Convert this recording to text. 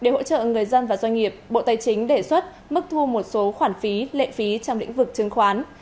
để hỗ trợ người dân và doanh nghiệp bộ tài chính đề xuất mức thu một số khoản phí lệ phí trong lĩnh vực chứng khoán